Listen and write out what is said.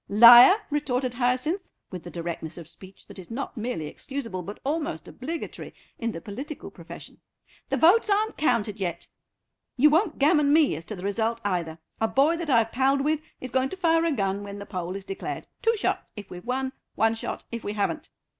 "Liar!" retorted Hyacinth, with the directness of speech that is not merely excusable, but almost obligatory, in the political profession; "the votes aren't counted yet. You won't gammon me as to the result, either. A boy that I've palled with is going to fire a gun when the poll is declared; two shots if we've won, one shot if we haven't."